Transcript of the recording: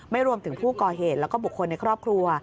ไม่รวมถึงผู้ก่อเหตุแล้วก็บุคคลในครอบครัว